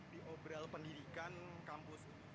di obral pendidikan kampus